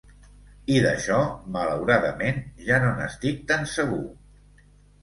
I d’això, malauradament, ja no n’estic tan segur.